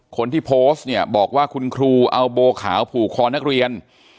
คนที่โพสต์เนี่ยบอกว่าคุณครูเอาโบขาวผูกคอนักเรียน